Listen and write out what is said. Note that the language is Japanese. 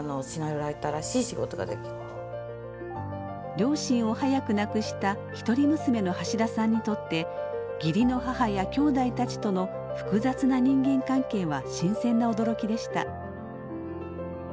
両親を早く亡くした一人娘の橋田さんにとって義理の母やきょうだいたちとの複雑な人間関係は新鮮な驚きでした。